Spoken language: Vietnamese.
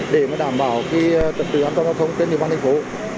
để mà đảm bảo cái trật tự an toàn giao thông trên điểm an thành phố